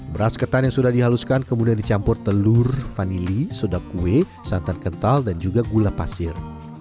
beras ketan yang sudah dihaluskan kemudian dicampur telur vanili soda kue santan kental dan juga gula pasir